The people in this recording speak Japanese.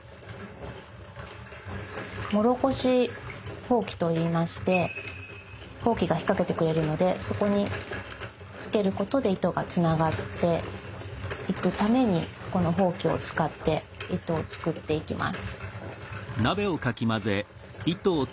もろこし箒と言いまして箒が引っ掛けてくれるのでそこにつけることで糸がつながっていくためにこの箒を使って糸を作っていきます。